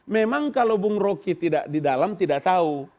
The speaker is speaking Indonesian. memang kalau bung rocky di dalam tidak tahu